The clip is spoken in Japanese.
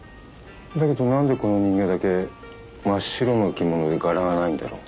だけど何でこの人形だけ真っ白の着物で柄がないんだろう。